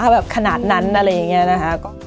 แบบขนาดนั้นอะไรอย่างนี้นะคะ